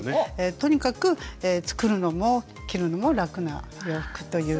とにかく作るのも着るのも楽な洋服ということで。